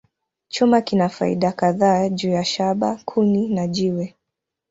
Chuma kina faida kadhaa juu ya shaba, kuni, na jiwe.